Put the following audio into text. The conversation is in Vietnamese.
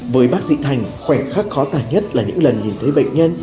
với bác sĩ thành khoẻ khắc khó tải nhất là những lần nhìn thấy bệnh nhân